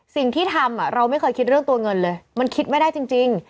สิ่งที่ทำเราไม่เคยคิดเรื่องตัวเงินเลยมันคิดไม่ได้จริง